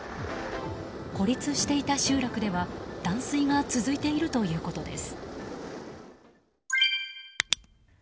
孤立していた集落では断水が続いているということです。